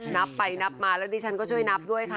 นับไปนับมาแล้วดิฉันก็ช่วยนับด้วยค่ะ